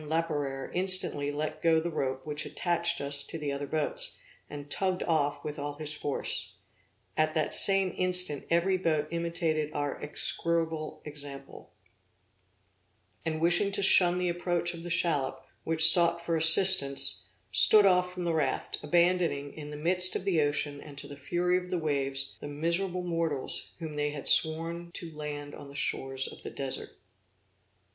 Laperere instantly let go the rope which attached us to the other boats, and tugged off with all his force. At the same instant every boat imitated our execrable example; and wishing to shun the approach of the shallop, which sought for assistance, stood off from the raft, abandoning, in the midst of the ocean, and to the fury of the waves, the miserable mortals whom they had sworn to land on the shores of the Desert.